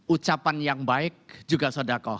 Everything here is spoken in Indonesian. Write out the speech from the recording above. ucapan yang baik juga sodakoh